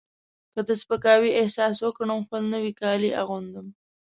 که د سپکاوي احساس وکړم خپل نوي کالي اغوندم.